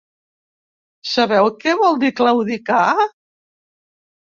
Sabeu què vol dir claudicar?